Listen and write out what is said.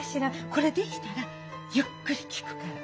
これ出来たらゆっくり聞くから。